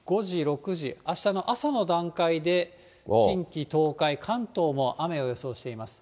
あしたの朝の段階で近畿、東海、関東も雨を予想しています。